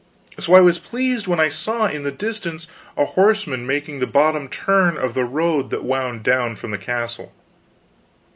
So I was pleased when I saw in the distance a horseman making the bottom turn of the road that wound down from this castle.